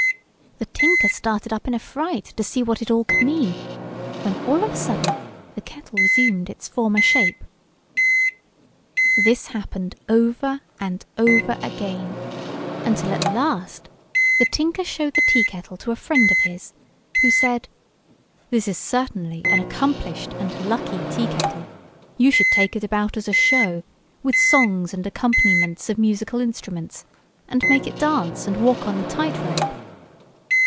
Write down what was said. The tinker started up in a fright to see what it could all mean, when all of a sudden the kettle resumed its former shape. This happened over and over again, until at last the tinker showed the teakettle to a friend of his, who said: "This is certainly an accomplished and lucky teakettle. You should take it about as a show, with songs and accompaniments of musical instruments, and make it dance and walk on the tight rope."